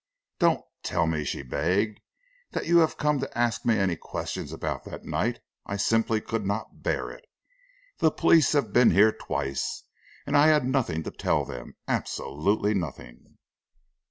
"Don't tell me," she begged, "that you have come to ask me any questions about that night! I simply could not bear it. The police have been here twice, and I had nothing to tell them, absolutely nothing."